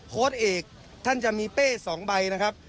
เอกท่านจะมีเป้๒ใบนะครับ